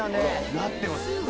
なってますね？